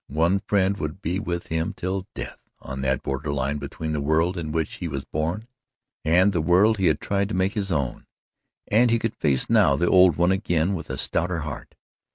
One friend would be with him till death, on that border line between the world in which he was born and the world he had tried to make his own, and he could face now the old one again with a stouter heart.